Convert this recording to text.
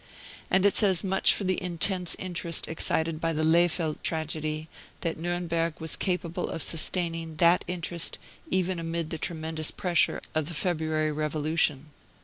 And it says much for the intense interest excited by the Lehfeldt tragedy that Nuremberg was capable of sustaining that interest even amid the tremendous pressure of the February Revolution.